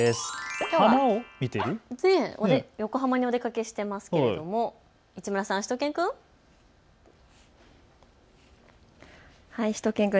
きょうは横浜にお出かけしていますけれども市村さん、しゅと犬くん。